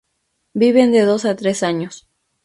Viven de dos a tres años.